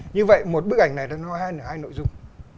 như vậy một bức ảnh này nó có hai nội dung